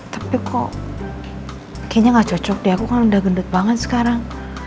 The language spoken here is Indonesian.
tapi kok kayaknya gak cocok deh aku kan udah gendut banget sekarang